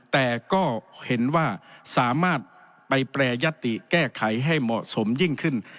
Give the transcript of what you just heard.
แต่ก็เห็นว่าสามารถไปแปรยติแก้ไขให้เหมาะสมยิ่งขึ้น